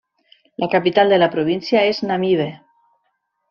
La capital de la província és Namibe.